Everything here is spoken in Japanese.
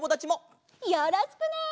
よろしくね！